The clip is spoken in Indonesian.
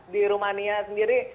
di rumania sendiri